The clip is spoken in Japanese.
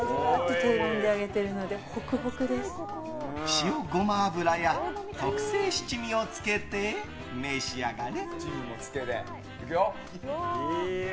塩ゴマ油や特製七味をつけて召し上がれ。